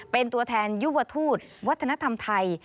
เป็นตัวแทนยุวทูตวัฒนธรรมไทย